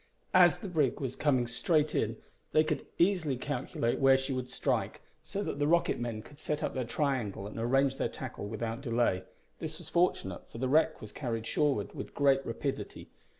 As the brig was coming straight in they could easily calculate where she would strike, so that the rocket men could set up their triangle and arrange their tackle without delay. This was fortunate, for the wreck was carried shoreward with great rapidity.